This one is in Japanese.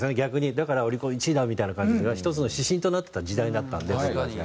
だからオリコン１位だ！みたいな感じでそれが一つの指針となってた時代だったんで僕たち。